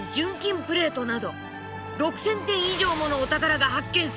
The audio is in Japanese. プレートなど６，０００点以上ものお宝が発見された。